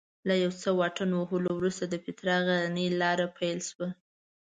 له یو څه واټن وهلو وروسته د پیترا غرنۍ لاره پیل شوه.